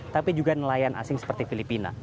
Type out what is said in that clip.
tapi juga nelayan asing seperti filipina